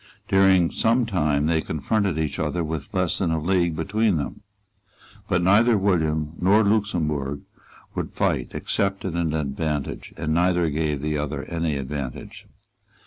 During some time they confronted each other with less than a league between them. But neither William nor Luxemburg would fight except at an advantage; and neither gave the other any advantage.